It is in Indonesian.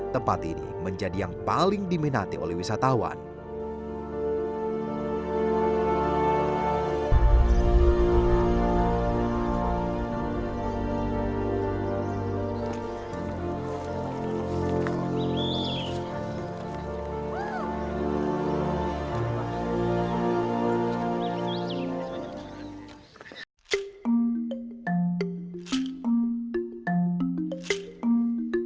tempat ini menjadi tempat yang paling menarik untuk kita lihat lihat